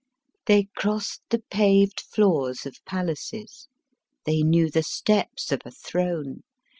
They crossed the paved floors of palaces. They knew the steps of a throne.